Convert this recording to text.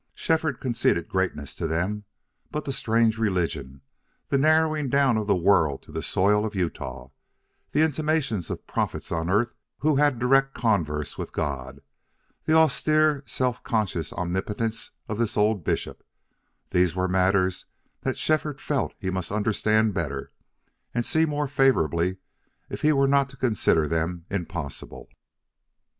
Shefford conceded greatness to them. But the strange religion the narrowing down of the world to the soil of Utah, the intimations of prophets on earth who had direct converse with God, the austere self conscious omnipotence of this old bishop these were matters that Shefford felt he must understand better, and see more favorably, if he were not to consider them impossible.